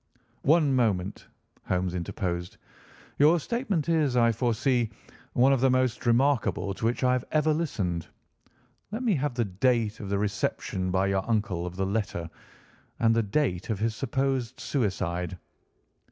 "One moment," Holmes interposed, "your statement is, I foresee, one of the most remarkable to which I have ever listened. Let me have the date of the reception by your uncle of the letter, and the date of his supposed suicide."